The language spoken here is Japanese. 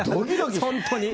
本当に。